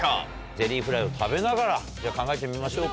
ゼリーフライを食べながら考えてみましょうか。